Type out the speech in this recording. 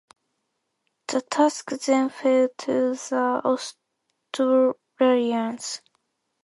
The task then fell to the Australians.